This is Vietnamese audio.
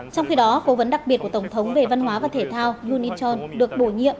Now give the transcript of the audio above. trong khi đó cố vấn đặc biệt của tổng thống về văn hóa và thể thao yoon in chol được bổ nhiệm